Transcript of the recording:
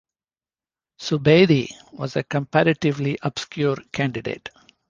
Subedi was a comparatively obscure candidate.